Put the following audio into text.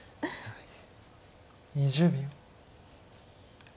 ２０秒。